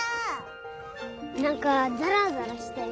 なんかザラザラしてる。